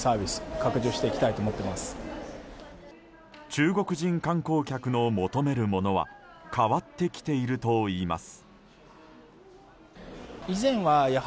中国人観光客の求めるものは変わってきているといいます。